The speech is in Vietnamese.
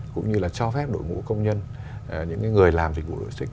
cũng như là cho phép đội ngũ công nhân những người làm dịch vụ logistics